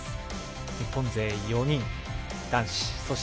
日本勢４人、男子。